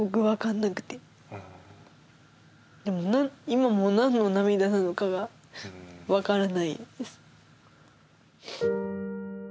今も何の涙なのかが分からないです。